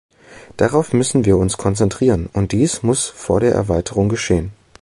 Darauf müssen wir uns konzentrieren, und dies muss vor der Erweiterung geschehen.